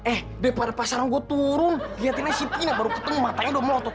eh deh pada pas sekarang gua turun liatinnya si tina baru ketemu matanya udah melotot